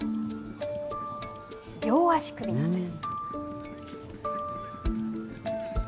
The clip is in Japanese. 両足首なんです。